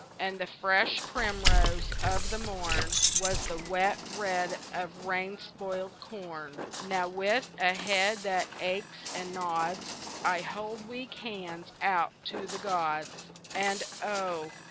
And the fresh primrose of the morn Was the wet red of rain spoiled corn. Now, with a head that aches and nods I hold weak hands out to the gods; And oh!